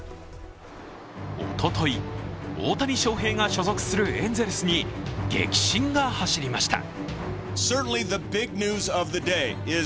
おととい、大谷翔平が所属するエンゼルスに激震が走りました。